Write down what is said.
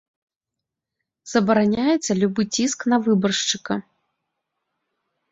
Забараняецца любы ціск на выбаршчыка.